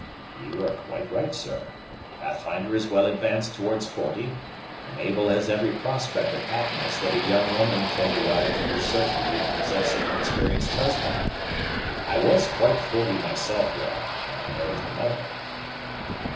"You are quite right, sir; Pathfinder is well advanced towards forty, and Mabel has every prospect of happiness that a young woman can derive from the certainty of possessing an experienced husband. I was quite forty myself, your honor, when I married her mother."